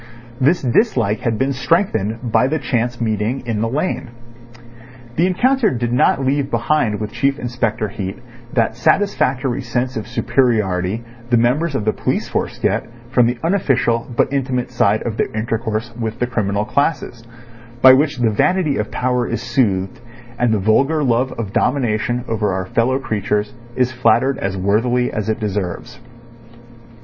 This dislike had been strengthened by the chance meeting in the lane. The encounter did not leave behind with Chief Inspector Heat that satisfactory sense of superiority the members of the police force get from the unofficial but intimate side of their intercourse with the criminal classes, by which the vanity of power is soothed, and the vulgar love of domination over our fellow creatures is flattered as worthily as it deserves.